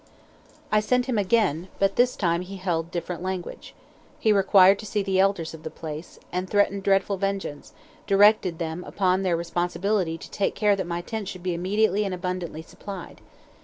I sent him again, but this time he held different language. He required to see the elders of the place, and threatening dreadful vengeance, directed them upon their responsibility to take care that my tent should be immediately and abundantly supplied.